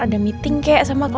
ada meeting kayak sama kok